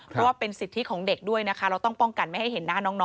เพราะว่าเป็นสิทธิของเด็กด้วยนะคะเราต้องป้องกันไม่ให้เห็นหน้าน้อง